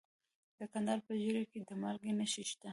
د کندهار په ژیړۍ کې د مالګې نښې شته.